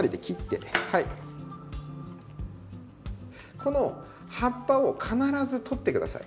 この葉っぱを必ず取って下さい。